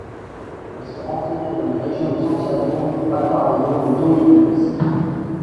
Elle se rencontre dans les régions de Santiago, de Valparaíso et d'O'Higgins.